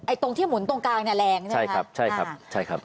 ไอ้ตรงที่หมุนตรงกลางเนี่ยแรงใช่ไหมคะใช่ครับ